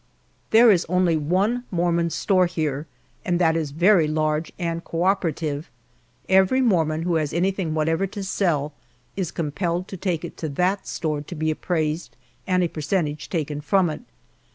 There is only one mormon store here, and that is very large and cooperative. Every mormon who has anything whatever to sell is compelled to take it to that store to be appraised, and a percentage taken from it.